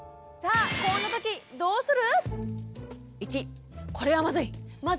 ３８度こんな時どうする？